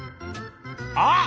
あっ！